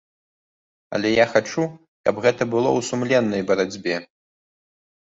Але я хачу, каб гэта было ў сумленнай барацьбе.